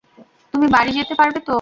তুমি বাড়ি যেতে পারবে তো?